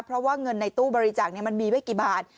เพราะว่าเงินในตู้บริจาคมันมีไว้กี่บาท